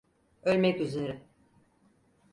Ölmek üzere.